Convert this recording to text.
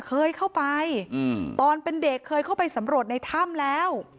เคยเข้าไปตอนเป็นเด็กเคยเข้าไปสำรวจในถ้ำแล้ว